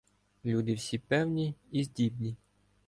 Люди всі певні і здібні.